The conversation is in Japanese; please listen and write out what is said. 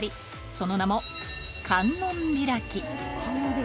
その名も「観音開き」？